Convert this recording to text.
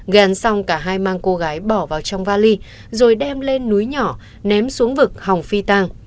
ghen xong cả hai mang cô gái bỏ vào trong vali rồi đem lên núi nhỏ ném xuống vực hồng phi tàng